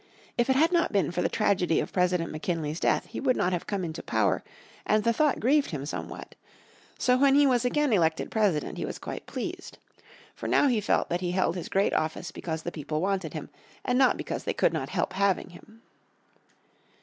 If it had not been for the tragedy of President McKinley's death he would not have come into power, and the thought grieved him somewhat. So when he was again elected president he was quite pleased. For now he felt that he held his great office because the people wanted him, and not because they could not help having him.